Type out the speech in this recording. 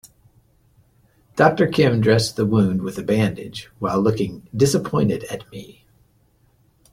Doctor Kim dressed the wound with a bandage while looking disappointed at me.